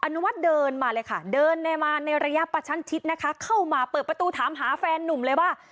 นุวัฒน์เดินมาเลยค่ะเดินมาในระยะประชันชิดนะคะเข้ามาเปิดประตูถามหาแฟนนุ่มเลยว่า